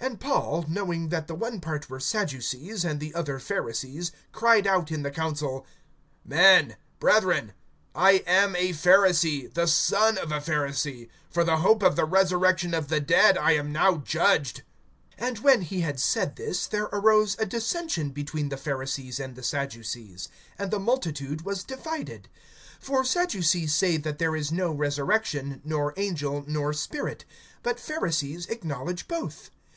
(6)And Paul, knowing that the one part were Sadducees, and the other Pharisees, cried out in the council: Men, brethren, I am a Pharisee, the son of a Pharisee; for the hope of the resurrection of the dead I am now judged. (7)And when he had said this, there arose a dissension between the Pharisees and the Sadducees; and the multitude was divided. (8)For Sadducees say that there is no resurrection, nor angel, nor spirit; but Pharisees acknowledge both.